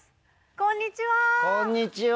こんにちは！